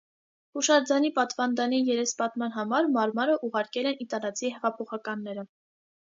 Հուշարձանի պատվանդանի երեսպատման համար մարմարը ուղարկել են իտալացի հեղափոխականները։